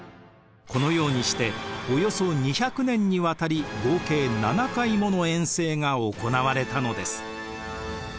このようにしておよそ２００年にわたり合計７回もの遠征が行われたのです。